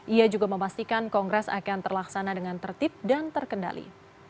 ia juga memastikan kongres akan terlaksana dengan tertib dan terkendali